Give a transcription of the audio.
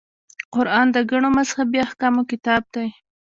قران د ګڼو مذهبي احکامو کتاب دی.